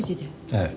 ええ。